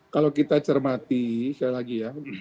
kalau kita cermati